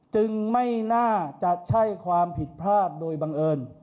ไม่น่าจะใช่ความผิดพลาดโดยบังเอิญ